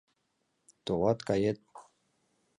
Товат, кает!..